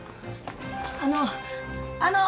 あのあの！